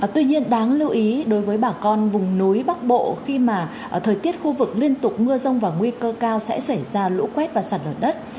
tuy nhiên đáng lưu ý đối với bà con vùng núi bắc bộ khi mà thời tiết khu vực liên tục mưa rông và nguy cơ cao sẽ xảy ra lũ quét và sạt lở đất